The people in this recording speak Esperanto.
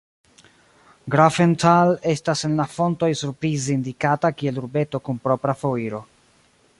Grafenthal estas en la fontoj surprize indikata kiel urbeto kun propra foiro.